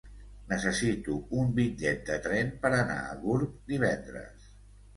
Necessito un bitllet de tren per anar a Gurb divendres.